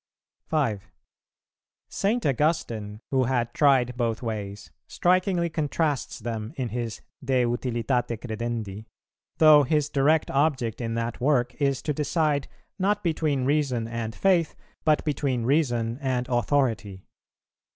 [330:2] 5. St. Augustine, who had tried both ways, strikingly contrasts them in his De Utilitate credendi, though his direct object in that work is to decide, not between Reason and Faith, but between Reason and Authority.